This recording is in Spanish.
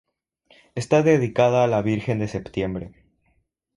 Está dedicada a la Virgen de Septiembre.